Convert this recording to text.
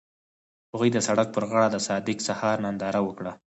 هغوی د سړک پر غاړه د صادق سهار ننداره وکړه.